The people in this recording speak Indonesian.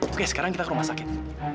oke sekarang kita ke rumah sakit